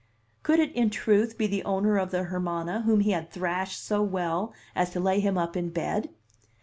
Could it in truth be the owner of the Hermana whom he had thrashed so well as to lay him up in bed?